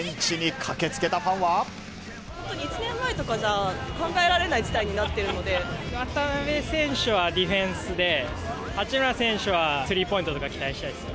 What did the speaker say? １年前とかじゃ考えられない渡邊選手はディフェンスで、八村選手はスリーポイントとか期待したいですね。